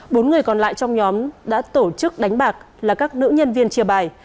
bốn người còn lại trong nhóm đã tổ chức đánh bạc là các nữ nhân viên chia bài